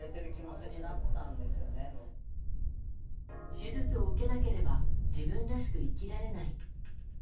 手術を受けなければ自分らしく生きられない。